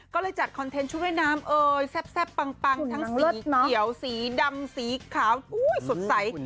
ก็เลยจัดคอนเทนต์ชุดว่ายน้ำเอ่ยแซ่บปังทั้งสีเขียวสีดำสีขาวสดใส